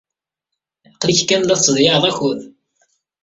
Aql-ik kan la tettḍeyyiɛed akud.